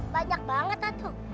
banyak banget toto